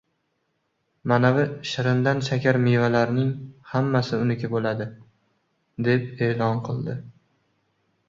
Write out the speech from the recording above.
manavi shirindan shakar mevalarning hammasi uniki boʻladi!” deb eʼlon qildi.